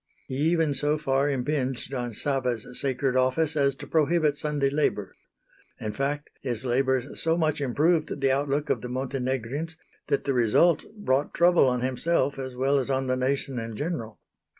He even so far impinged on Sava's sacred office as to prohibit Sunday labour. In fact his labours so much improved the outlook of the Montenegrins that the result brought trouble on himself as well as on the nation in general.